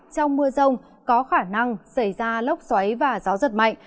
trong mưa rông có khả năng xảy ra lốc xoáy và gió giật mạnh